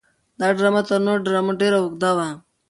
دا ډرامه تر نورو ډرامو ډېره اوږده وه.